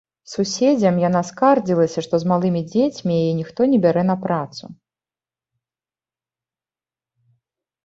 Суседзям яна скардзілася, што з малымі дзецьмі яе ніхто не бярэ на працу.